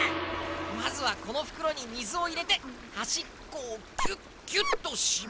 まずはこのふくろにみずをいれてはしっこをギュッギュッとしぼる。